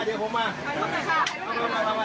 เดินมาเดี๋ยวผมมา